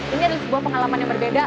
ini adalah sebuah pengalaman yang berbeda